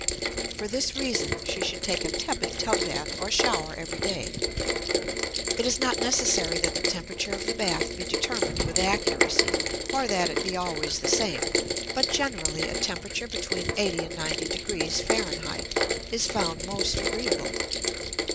For this reason she should take a tepid tub bath or shower every day. It is not necessary that the temperature of the bath be determined with accuracy or that it be always the same; but generally a temperature between 80 and 90 degrees F. is found most agreeable.